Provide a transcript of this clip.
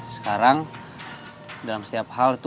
sekarang dalam setiap hal itu